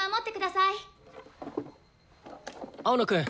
青野くん。